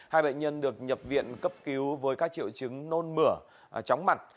hai bệnh nhân được nhập viện cấp cứu với các triệu chứng nôn mửa chóng mặt